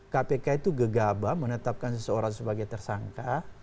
kpk itu gegabah menetapkan seseorang sebagai tersangka